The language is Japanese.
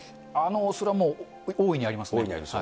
それはもう、大いに思います